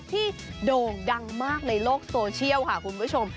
โด่งดังมากในโลกโซเชียลค่ะคุณผู้ชม